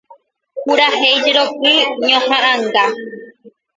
Purahéi jeroky ñohaʼãnga.